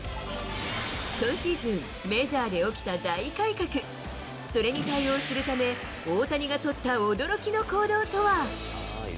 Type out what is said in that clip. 今シーズン、メジャーで起きた大改革、それに対応するため、大谷が取った驚きの行動とは。